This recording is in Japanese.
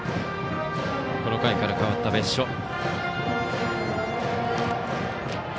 この回からかわった別所。